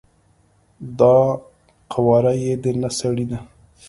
دا قواره یی د نه سړی ده،